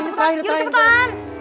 cepetan yuk cepetan